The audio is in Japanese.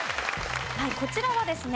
こちらはですね